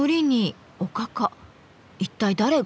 一体誰が？